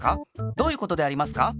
どういうことでありますか？